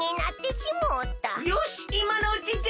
よしいまのうちじゃ。